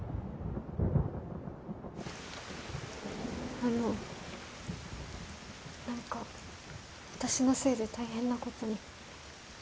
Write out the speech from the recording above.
あのなんか私のせいで大変なことに。